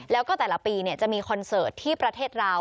แล้วก็แต่ละปีจะมีคอนเสิร์ตที่ประเทศราว